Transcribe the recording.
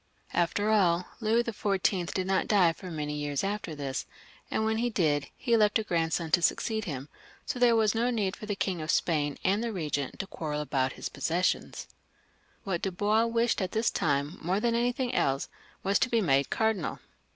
After all, Louis XV. did not die for many years after this, and when he did, he left a grandson to succeed him, so there was no need for the King of Spain and the Eegent to quarrel about his possessions. What Dubois wished at this time, more than anything else, was to be made cardinal.